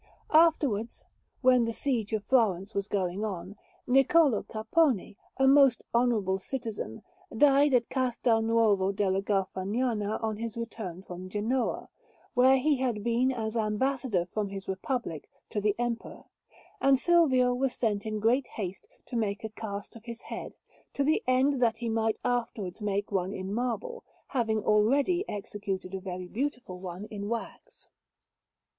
Afterwards, while the siege of Florence was going on, Niccolò Capponi, a most honourable citizen, died at Castel Nuovo della Garfagnana on his return from Genoa, where he had been as Ambassador from his Republic to the Emperor; and Silvio was sent in great haste to make a cast of his head, to the end that he might afterwards make one in marble, having already executed a very beautiful one in wax.